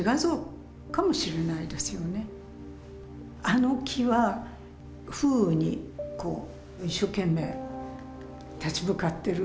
あの木は風雨に一生懸命立ち向かってる。